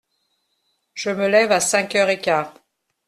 Je me lève à cinq heures et quart.